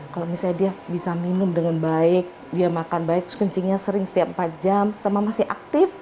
kalau misalnya dia bisa minum dengan baik dia makan baik terus kencingnya sering setiap empat jam sama masih aktif